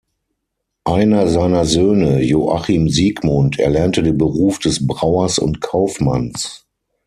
Einer seiner Söhne, Joachim Siegmund, erlernte den Beruf des Brauers und Kaufmanns.